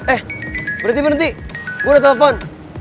eh berhenti berhenti gua udah telepon